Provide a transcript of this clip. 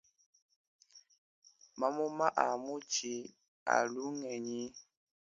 Mamuma a mutshi wa lugenyi.